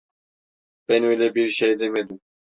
Ben öyle bir şey demedim.